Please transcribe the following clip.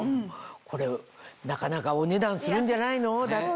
これなかなかお値段するんじゃないの？だって。